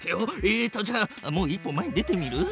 えっとじゃあもう一歩前に出てみる？